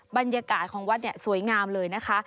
บรรยากาศของวัดเนี่ยสวยงามเลยนะคะ